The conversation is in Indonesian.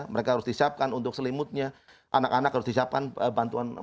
mereka harus disiapkan untuk selimutnya anak anak harus disiapkan bantuan